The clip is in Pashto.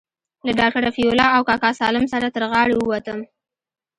له ډاکتر رفيع الله او کاکا سالم سره تر غاړې ووتم.